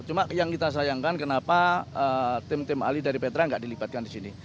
cuma yang kita sayangkan kenapa tim tim ahli dari petra nggak dilibatkan di sini